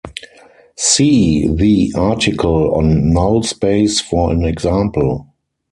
See the article on null space for an example.